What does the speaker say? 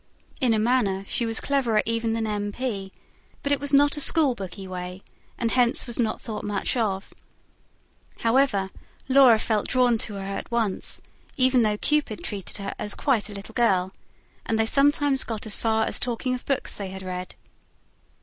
In a manner, she was cleverer even than M. P.; but it was not a school booky way, and hence was not thought much of. However, Laura felt drawn to her at once even though Cupid treated her as quite a little girl and they sometimes got as far as talking of books they had read.